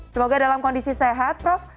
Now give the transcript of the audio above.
semoga dalam kondisi sehat prof